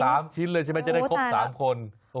สามชิ้นเลยใช่มั้ยจะได้คบสามคน